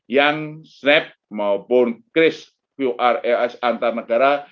yang snap maupun crispr es antar negara